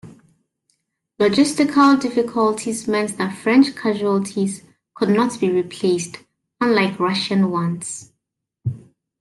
Logistical difficulties meant that French casualties could not be replaced, unlike Russian ones.